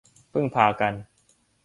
พึ่งพากัน